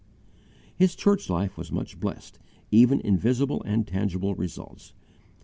His church life was much blessed even in visible and tangible results.